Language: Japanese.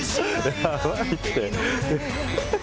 やばいって。